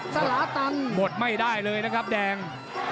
สลาตันหมดไม่ได้เลยนะครับแดง